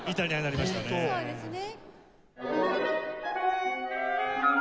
そうですね。